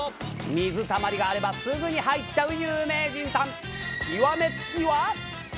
水たまりがあればすぐに入っちゃう有名人さん。